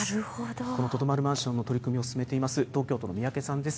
このとどまるマンションの取り組みを進めています、東京都の三宅さんです。